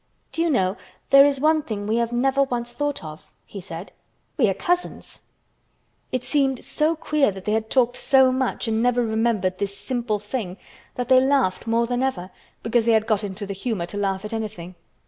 "Do you know there is one thing we have never once thought of," he said. "We are cousins." It seemed so queer that they had talked so much and never remembered this simple thing that they laughed more than ever, because they had got into the humor to laugh at anything.